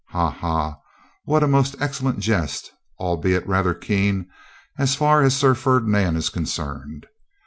Ha! ha! What a most excellent jest, albeit rather keen, as far as Sir Ferdinand is concerned!